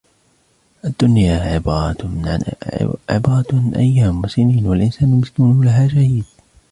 الدنيا عبرت عن ايام و سينين و الانسان المسكين لها شهيد.